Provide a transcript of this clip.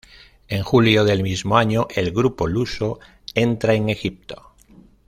En julio del mismo año, el grupo luso entra en Egipto.